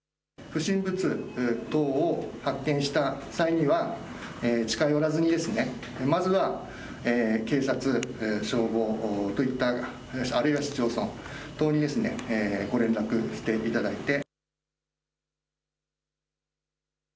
不審物等を発見した際には、近寄らずに、まずは警察、消防といった、あるいは市町村等にご連絡していただいて。